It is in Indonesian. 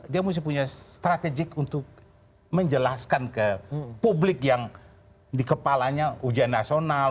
dia mesti punya strategik untuk menjelaskan ke publik yang di kepalanya ujian nasional